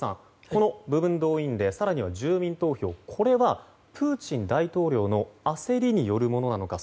この部分動員令更には住民投票これはプーチン大統領の焦りによるものなのか